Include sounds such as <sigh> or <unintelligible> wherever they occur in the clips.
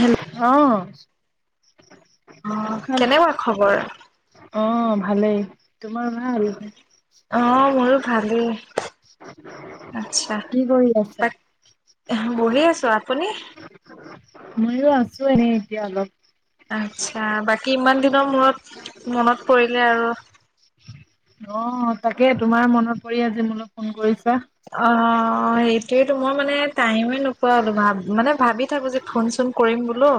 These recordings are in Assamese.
হেল্ল' অ। অ, কেনেকুৱা খবৰ? অহ, ভালেই, তোমাৰ ভাল? অ', মোৰো ভালেই। আচ্ছা, <inaudible> কি কৰি বাক আছা? বহি আছো। আপুনি? মইয়ো আছো এনেই এতিয়া অলপ। আতচ্ছা, বাকী ইমান দিনৰ মূৰত মনত পৰিলে আৰু। অ, তাকে তোমালৈ মনত পৰি আছে, মোলৈ ফোন কৰিছা। অ, সেইটোয়েইতো, মই মানে টাইমে নোপোৱা হলোঁ। মানে ভাবি থাকো যে ফোন- চোন কৰিম বোলো।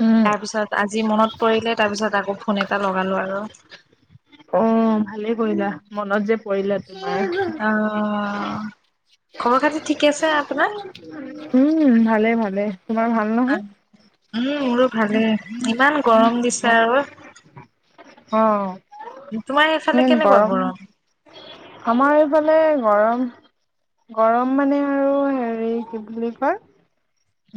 উম, তাৰপিছত আজি মনত পৰিলে, তাৰ পিছত আকৌ ফোন এটা লগালো আৰু। অ, ভালেই কৰিলা। মনত যে পৰিলা তোমাৰ। অ', খবৰ খাতি ঠিকে আছে আপোনাৰ? উম, ভালে- ভালে, তোমাৰ ভাল নহয়? উম, মোৰো ভালেই, ইমান গৰম দিছে আৰু। অ। তোমাৰ সেইফালে কেনেকুৱা গৰম? আমাৰ এইফালে গৰম। গৰম মানে আৰু হেৰি কি বুলি কয়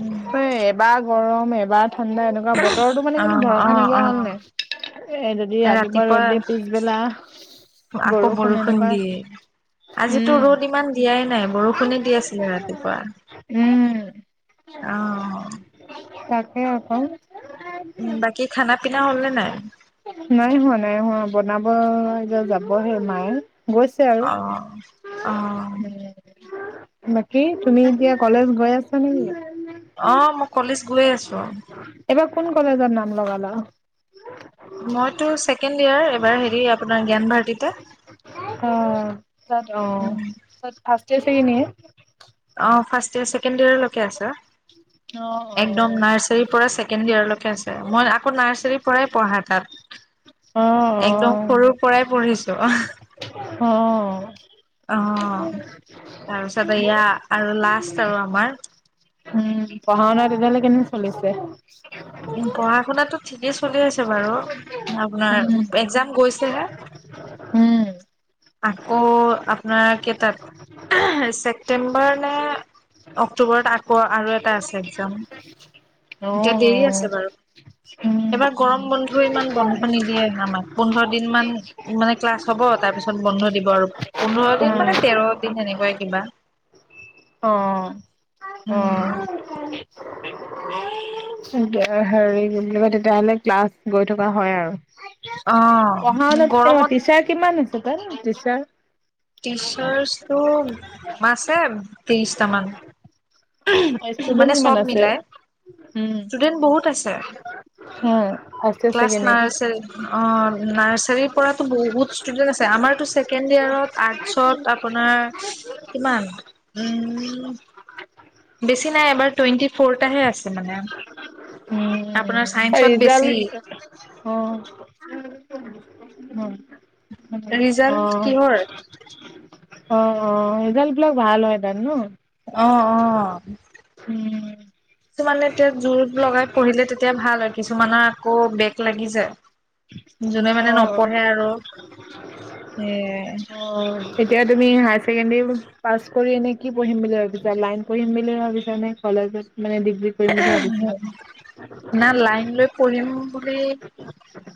উম। এ এবাৰ গৰম, এবাৰ ঠাণ্ডা, এনেকুৱা বতৰতো মানে কোনো অ', ভৰসা অ', নাইকিয়া হল অ', নাই। এ যদি ৰাতিপুৱা ৰ'দ দিয়ে, পিছবেলা আকৌ বৰষুণ এনেকুৱা। দিয়ে। আজিতো উম, ৰ'দ ইমান দিয়াই নাই বৰষুণে দি আছিলে ৰাতিপুৱা। উম। অ', তাকে আকৌ। উম, বাকী খানা- পিনা হ'ল নে নাই? নাই হোৱা, নাই হোৱা, বনাব যে যাবহে মায়ে, গৈছে। অ', অ', বাকী তুমি এতিয়া কলেজ গৈ আছ? মানে কি? অ, মই কলেজ গৈ আছো। এইবাৰ কোন কলেজত নাম লগালা? মইতো ছেকেণ্ড ইয়াৰ। এবাৰ হেৰি আপোনাৰ জ্ঞান ভাৰটিতা। অ, অহ, তাত ফাৰ্ষ্ট ইয়েৰ ছেকেণ্ড ইয়েৰ। অ, ফাৰ্ষ্ট ইয়েৰ ছেকেণ্ড ইয়েৰলৈকে অ আছে। একদম নাৰ্চাৰীৰ পৰা ছেকেণ্ড ইয়েৰলৈকে। ঠিক আছে, মই আকৌ নাৰ্চাৰীৰ পৰাই পঢ়া তাত। অ অ একদম সৰুৰ পৰাই পঢ়িছো, অ। অ। অ, তাৰপিছত এয়া, আৰু লাষ্ট আৰু আমাৰ। উম, পঢ়া শুনা তেতিয়াহ'লে কেনে চলিছে? উম, পঢ়া শুনাতটো ঠিকেই চলি আছে বাৰু। আপোনাৰ উম। এক্সজাম গৈছেহে। উম। আকৌ, আপোনাৰ কেইটাত ছেপটেম্বৰ নে অক্টোবৰত আকৌ আৰু এটা আছে, এক্সজাম। এতিয়া অ', দেৰি অ', আছে বাৰু। উম, এবাৰ গৰম বন্ধত, ইমান বন্ধ নিদিয়ে আমাক পোন্ধৰ দিন মান মানে ক্লাছ হব। তাৰ পিছত বন্ধ দিব আৰু। পোন্ধৰ দিন মানে তেৰ দিন এনেকুৱাই কিবা। অ। উম। <unintelligible> হেৰি তোৰ লগত তেতিয়াহ'লে ক্লাছ গৈ থকা হয় আৰু। অ পঢ়াও ন' <unintelligible> গৰমত টিচাৰ কিমান আছে, তাৰ টিচাৰ? টিচাৰ্ছটো আছে ত্ৰিশটামান। ষ্টুডেন্ট কিমান আছে? উম। ডেন বহুত আছে। হে, আছে ক্লাছ চাগে এনে। নাৰ্চাৰী অ' নাৰ্চাৰীৰ পৰাতো বহুত ষ্টুডেণ্ট আছে, আমাৰতো ছেকেণ্ড ইয়োৰত আৰ্ট ছত আপোনাৰ কিমান উম বেছি নাই, এবাৰ টুৱেণ্টি ফ'ৰটাহে আছে মানে। উম, আপোনাৰ চাইন্সত বেছি। ৰিজাল্ট অ'। হু। অ'। ৰিজাল্ট অ', কিহৰ অ' ৰিজাল্টবিলাক ভাল হয় তাৰ ন'? অ', অ'। হুম। কিছুমানে এতিয়া জোৰ লগাই পঢ়িলে তেতিয়া ভাল হয়, কিছুমানৰ আকৌ বেক লাগি যায়। যোনে মানে অ', নপঢ়ে আৰু। এ অ', এতিয়া তুমি হায় ছেকেণ্ডাৰী পাছ কৰি এনে কি পঢ়িম বুলি ভাবিছা? লাইন পঢ়িম বুলি ভাবিছা নে কলেজত মানে ডিগ্ৰী কৰিম বুলি ভাবিছো? কৰিম বুলি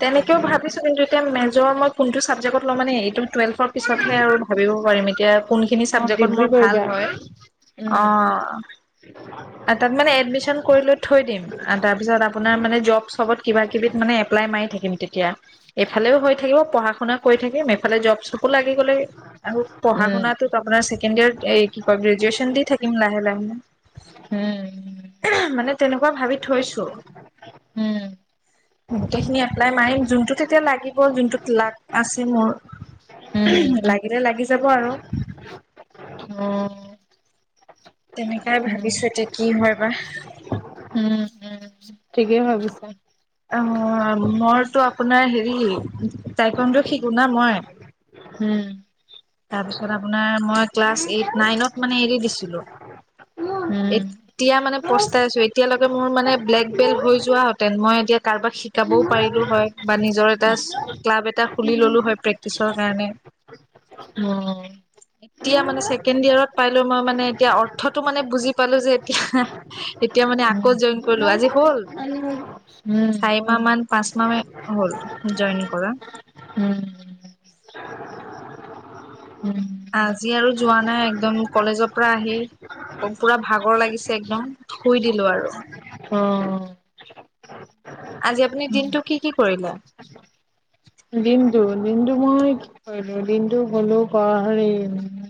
তেনেকে ভাবিছ তো কিন্তু এতিয়া মেজৰ মই কোনটো ছাবজেক্টত ল'ম মানে এইটো টুৱেলভৰ পিছতহে আৰু ভাবিব পাৰিম, এতিয়া কোনখিনি অ চাবজেকত ডিগ্ৰী মোৰ ভাল কৰিবা। হয়। উম অ', এটাত মানে এডমিশ্বন কৰি লৈ থৈ দিম। আ, তাৰপিছত আপোনাৰ মানে জব চবত, কিবা কিবিত মানে এপ্লাই মাৰি থাকিম তেতিয়া। এইফালেও হৈ থাকিব, পঢ়া শুনা কৰি থাকিম, এইফালে জব চবো লাগি গ'লে। আৰু পঢ়া উম শুনাটোক আপোনাৰ ছেকেণ্ড য়াৰত কি কয় গ্ৰেজুৱেচন দি থাকিম লাহে লাহে। উম মানে তেনেকুৱা ভাবি থৈছোঁ। উম উম উম গোটেইখিনি এপ্লাই মাৰিম, যোনটোত এতিয়া লাগিব, যোনটোত লাক আছে মোৰ। উম লাগিলে লাগি যাব আৰু। উম। তেনেকাই ভাবিছোঁ, এতিয়া কি হয় বা। উম। ঠিকেই ভাবিছা। অ' মোৰতো আপোনাৰ হেৰি টাইকোৱান্দো শিকো না মই হুম। তাৰপিছত আপোনাৰ মই ক্লাছ এইট নাইনত মানে এৰি দিছিলোঁ। এতিয়া মানে পস্তাই আছোঁ, এতিয়ালৈকে মোৰ মানে ব্লেক বেল হৈ যোৱা হতেন, মই এতিয়া কাৰোবাক শিকাবও পাৰিলোঁ হয়, বা নিজৰ এটা ক্লাব এটা খুলি ল'লোঁ হয় প্ৰেক্টিচৰ কাৰণে। তিয়া মানে ছেকেণ্ড ইয়েৰত পাই লৈ মই মানে এতিয়া অৰ্থটো মানে বুজি পালোঁ যে এতিয়া এতিয়া মানে আকৌ জইন কৰিলোঁ, আজি হ'ল হু চাৰি মাহ মান পাঁচ মাহ হ'ল জইন কৰা উম, উম, আজি আৰু যোৱা নাই একদম কলেজৰ পৰা আহি পুৰা ভাগৰ লাগিছে একদম শুই দিলো আৰু অ আজি আপুনি দিনটো কি কি কৰিলে? অ <inaudible> দিনটো দিনটো মই কি কৰিলো দিনটো গলো হেৰি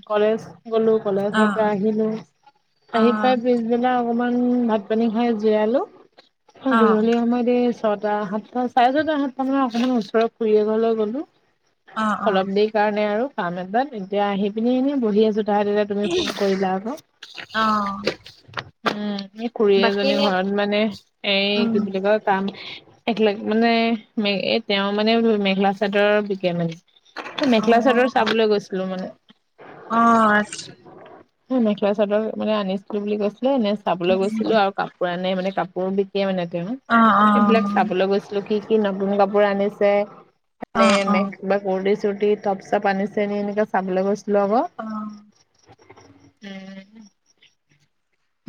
কলেজ গলো অ কলেজৰ পৰা আহিলো অ আহি পাই পিছদিনা অকমান ভাত পানী খাই জিৰালো অ গধূলি সময়ত এই ছটা সাতটা চাৰে ছটা সাতটা মানে অকণমান ওচৰত ফুৰিবলৈ গ'লো অ অ অলপ দেৰি কাৰণে আৰু কাম এটাত এতিয়া আহি পিনি এনেই বহি আছো তাহাঁতি ত ৰিএকচন কৰিলে আকৌ অ উম এই খুৰী বাকী এজনীৰ এনে ঘৰত মানে এ উম কি বুলি কয় কাম একেলগ মানে ম এই তেওঁ মানে মেখেলা চাদৰ বিকে মানে অ মেখেলা চাডৰ চাবলৈ গৈছিলো মানে অ মেখেলা চাদৰ মানে আনিছিলো বুলি কৈছিলে এনে চাবলৈ গৈছিলো আৰু ক পুৰা নাই মানে কাপোৰ বিকে মানে তেওঁ অ অ সেইবিলাক চাবলৈ গৈছিলো কি কি নতুন কাপোৰ আনিছে অ মানে অ মে বা কুৰ্টি- চুৰ্টি টপ -চপ আনিছে নেকি এনেকা চাবলৈ গৈছিলো আকৌ। অ উম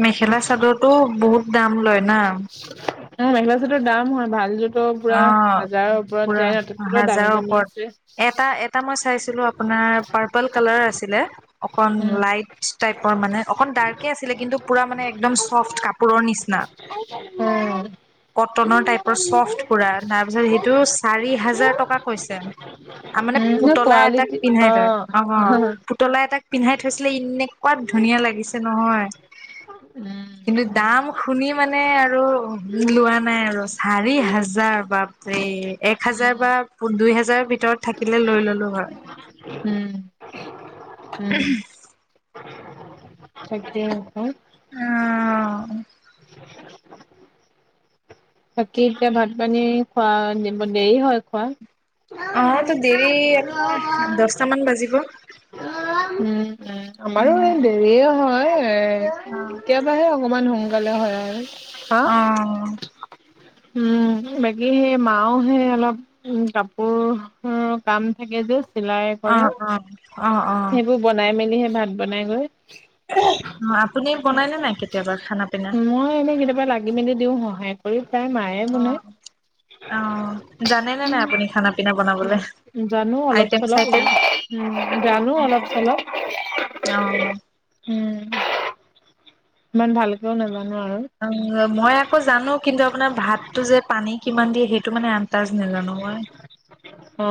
মেখেলা চাদৰতো বহুত দাম লয় না শ <inaudible> অ মেখেলা চাদৰ দাম হয় ভাল যদি অ পুৰা তাতকৈ দামী হাজাৰৰ দামী ওপৰত আছে। এটা এটা মই চাইছিলো আকৌ আপোনাৰ পাৰ্পল কালাৰ আছিলে, অকণ উম লাইট টাইপৰ মানে অকণ ডাৰ্ক একেই আছিলে কিন্তু পোৰা মানে একদম চফ্ট কাপোৰৰ নিচিনা, কটনৰ টাইপৰ চফ্ট পুৰা তাৰ পিছত সেইটো চাৰি হাজাৰ টকা কৈছে। আ মানে নে পুতলা এটাক কোৱালিটি অ পিন্ধাই তই উম পুতলা এটাক পিন্ধাই থৈছিলে, এনেকুৱা ধুনীয়া লাগিছে নহয় উ কিন্তু দাম শুনি মানে আৰু উ লোৱা নাই আৰু চাৰি হাজাৰ বাপ ৰে এক হাজাৰ উম বা দুই হাজাৰ ভিতৰত থাকিলে লৈ ললো হয় উম-উম। থাকে হয় অ <inaudible> বাকি এতিয়া ভাত পানী খোৱা দেৰি হয় খোৱা? অ তো দেৰি আপোনাৰ দহ টা মান বাজিব উম-উম অ আমাৰো এই দেৰিয়ে হয় এ কেতিয়াবাহে অকমান সোনকালে হয় আৰু হা অ উম বাকী সেই মাও হে অলপ উম কাপোৰ কাম থাকে যে চিলাই অ কৰে অ অ সেইবোৰ বনাই, মেলিহে ভাত বনাইগৈ। অ, আপুনি বনাই নে নাই, কেতিয়াবা খানা-পিনা। মই এনেই কেতিয়াবা লাগি-মেলি দিও, সহায় কৰি প্ৰায় মা অ, অ, জানেনে নাই, আপুনি খানা- পিনা বনাবলৈ জানো অলপ আইটেম- চলপ চাইেম? উম, জানো অলপ-চলপ। অ উম, ইমান ভালকেও নাজানো আৰু। উম, মই আকৌ জানো, কিন্তু আপোনাৰ ভাততো, যে পানী কিমান দিয়ে, সেইটো মানে আন আনতাজ, নাজানো মই। অ,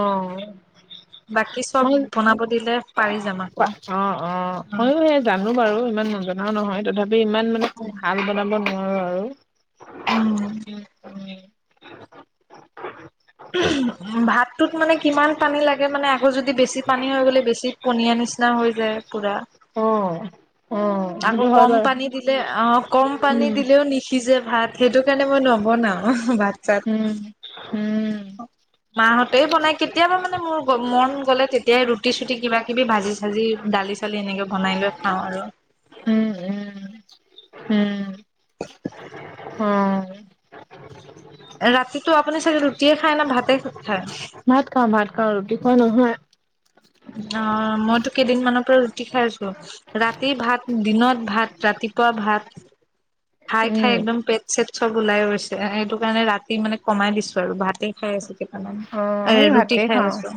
বাকী চব মই, বনাব দিলে পাৰি যাম আকৌ। অ, অ, ময়ো সেই জানো বাৰু ইমান নজনাও, নহয় তথাপি ইমান মানে ভাল বনাব নোৱাৰো আৰু উম, উম উম, ভাতটোত মানে কিমান পানী লাগে, মানে আকৌ যদি বেছি পানী হৈ গ'লে বেছি পনীয়া নিচিনা হৈ যায় পুৰা। অ, অ আকৌ সেইটো হয় কম বাৰু পানী দিলে, অ, কম পানী উম দিলেও নিসিজে ভাত সেইটো কাৰণে মই নবনাও ভাত। চাত। উম, উম, মা, হতেই বনাই, কেতিয়াবা মানে মোৰ মন গলে, তেতিয়াই ৰুটি- চুটি কিবা কিবি ভাজি চাজি দালি দালি এনেকে বনাই লৈ খাওঁ, আৰু উম, উম, উম, অ'। ৰাতিটো আপুনি চাগে ৰুটিয়ে খায় না, ভাতে খায়? ভাত খাওঁ-ভাত খাওঁ, ৰুটি খুৱোৱা নহয়। অ, মইতো কেইদিনমানৰ পৰা ৰুটি খাই আছো। ৰাতি ভাত, দিনত ভাত, ৰাতিপুৱা ভাত। উম, খাই-খাই একদম পেট চেট চব ওলাই গৈছে, সেইটো কাৰণে ৰাতি মানে কমাই দিছো আৰু ভাতে খাই আছো কেইটামান, অ', এই আমি ৰুটি ভাতেই খাই খাওঁ। আছো।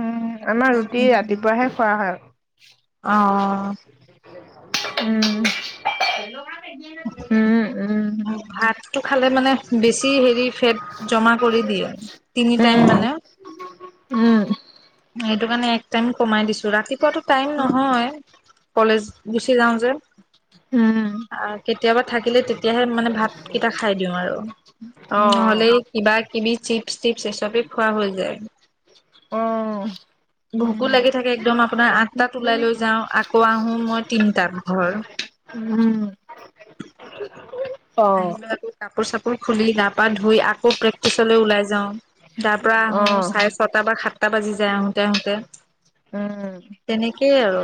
উম, আমাৰ ৰুটি ৰাতিপুৱাহে খোৱা হয়। অ, অ, <inaudible> উম, উম, উম, উম, ভাত ভাত টো, খালে মানে বেছি হেৰি ফেট জমা কৰি দিয়ে, আৰু তিনি টাইম উম, মানে উম, সেইটো কাৰণে এক টাইম কমাই দিছো, ৰাতিপুৱাতটো টাইম নহয়। কলেজ গুচি যাওঁ, যে। উম, আহ, কেতিয়াবা থাকিলে, তেতিয়াহে মানে ভাতকেইটা খাই দিওঁ আৰু। অ, নহ'লে কিবা, কিবি চিপচ- চিপছ এই চবে খোৱা হৈ যায়। অ, ভোকো উম, লাগি থাকে, একদম আপোনাৰ আঠটাত ওলাই লৈ যাওঁ, আকৌ আহো মই তিনটাত ঘৰ উম, অ', আহিলৈ আকৌ কাপোৰ-চাপোৰ খুলি, গাপা ধুই আকৌ প্ৰেক্টিচলৈ ওলাই যাওঁ। তাৰ পৰা আহো, অ', চাৰে ছটা বা সাতটা বাজি যায় আহোতে, আহোতে। উমঁ উমঁ! তেনেকেই আৰু।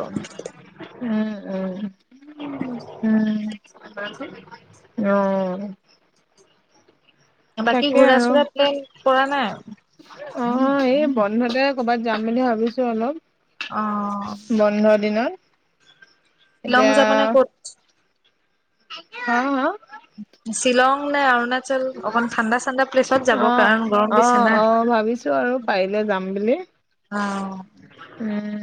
উমঁ উমঁ! উমঁ অঁ। বাকী তাকে ঘূৰা চুৰা প্লেন কৰা নাই। অঁ এই বন্ধতে কৰ'বাত যাম বুলি ভাবিছো অলপ। অঁ! বন্ধ দিনত। শ্বিলং এতিয়া যাবনে ক'ত? হা হা! শ্বিলংল নে অৰুণাচল - আচল ঠাণ্ডা ঠাণ্ডা প্লেছত যাব অ কাৰণ গৰম অ দিছে না। অ ভাবিছো আৰু অঁ,,, উমঁ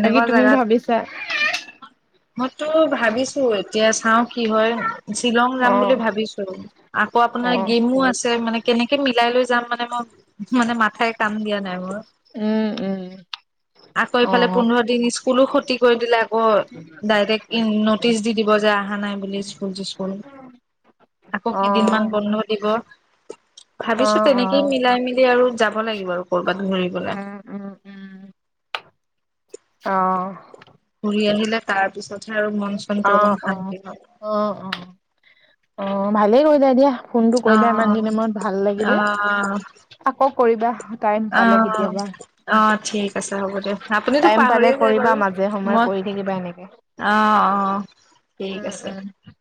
বাকী তুমি জেগাত ভাবিছা। মইতো ভাবিছো এতিয়া চাওঁ কি হয় শ্বিলং যাম অ বুলি ভাবিছোঁ। আকৌ অ আপোনাৰ গেমো আছে মানে কেনেকে মিলাই লৈ যাম মানে। মানে মাথাই কাম দিয়া নাই মোৰ। উম উম আকৌ অ এইফালে পোন্ধৰ দিন স্কুলো খতি কৰি দিলে আকৌ- ডাইৰেক্ট নটিচ দি দিব যে অহা নাই বুলি স্কুল চিকুল আকৌ অ কেইদিনমান বন্ধ দিব। অ ভাবিছো অ তেনেকেই মিলাই মিলি আৰু যাব লাগিব আৰু কৰবাত ঘুৰিবলে। উম উম অঁ! ঘূৰি আহিলে তাৰ পিছতহে আৰু মন চন তবন অম শান্তি হৱ। অঁ অঁ অঁ ভালেই কৰিলো দিয়া। ফোনটো কৰিলা ইমান দিনৰ মূৰত ভাল লাগিলে অ' আকৌ কৰিবা। টাইম পালে অঁ কেতিয়াবা অঁ ঠিক আছে হ'ব দিয়ক। আপুনিতো টাইম পালে পাহৰিয়ে যায় কৰিবা বাৰু মাজে সময়ে মই কৰি থাকিবা এনেকে। অঁ অঁ। ঠিক উম আছে উম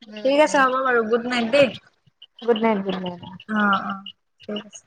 উম ঠিক আছে উম হ'ব বাৰু গুড নাইট দেই। Good night good night. অঁ অঁ ঠিক আছে।